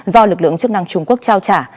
do lực lượng chức năng trung quốc trao trả